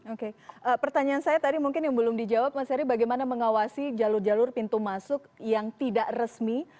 oke pertanyaan saya tadi mungkin yang belum dijawab mas heri bagaimana mengawasi jalur jalur pintu masuk yang tidak resmi